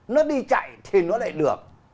nó đi chạy thì nó lại được